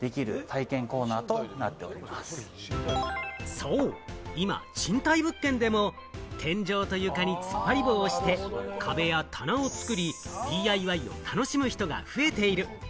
そう、今、賃貸物件でも天井と床に突っ張り棒をして、壁や棚を作り、ＤＩＹを楽しむ人が増えている。